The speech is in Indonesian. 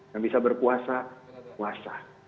yang bisa berpuasa puasa